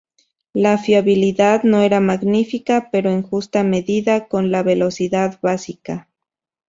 La fiabilidad no era magnifica, pero en justa medida con la velocidad básica.